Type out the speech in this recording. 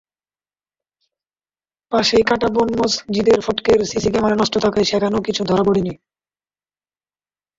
পাশেই কাঁটাবন মসজিদের ফটকের সিসি ক্যামেরা নষ্ট থাকায় সেখানেও কিছু ধরা পড়েনি।